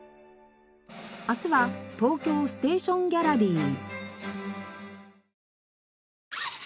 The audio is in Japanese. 明日は東京ステーションギャラリー。